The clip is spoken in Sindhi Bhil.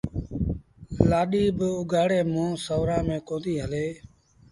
لآڏي بآ اُگھآڙي مݩهݩ سُورآݩ ميݩ ڪونديٚ هلي